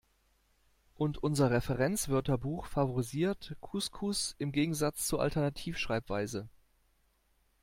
Und unser Referenzwörterbuch favorisiert Couscous im Gegensatz zur Alternativschreibweise.